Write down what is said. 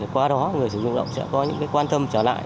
qua đó người sử dụng lao động sẽ có những quan tâm trở lại